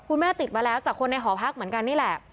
แม่ติดมาแล้วจากคนในหอพักเหมือนกันนี่แหละ